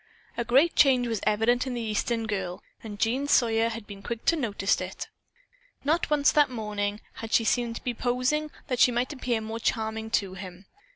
A great change was evident in the Eastern girl, and Jean Sawyer had been quick to notice it. Not once that morning had she seemed to be posing that she might appear more charming to him.